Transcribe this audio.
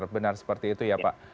benar seperti itu ya pak